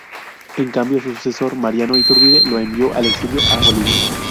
En cambio, su sucesor, Mariano Iturbe, lo envió al exilio a Bolivia.